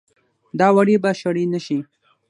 دا وړۍ به شړۍ نه شي